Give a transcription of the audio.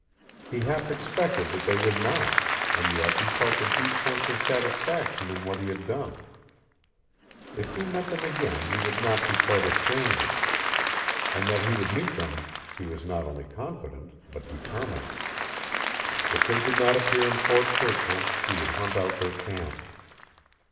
He half expected that they would not, and yet he felt a deep sense of satisfaction in what he had done. If he met them again he would not be quite a stranger. And that he would meet them he was not only confident, but determined. If they did not appear in Fort Churchill he would hunt out their camp.